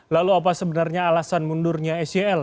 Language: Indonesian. lalu apa sebenarnya alasan mundurnya sel